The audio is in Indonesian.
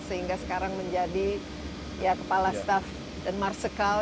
sehingga sekarang menjadi kepala staff dan marsikal